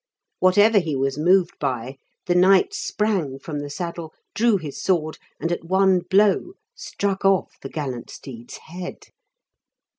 Whatever he was moved by, the knight sprang from the saddle, drew his sword, and at one blow struck off the gallant steed's head.